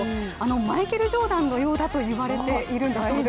マイケル・ジョーダンのようだと言われてるんだそうです。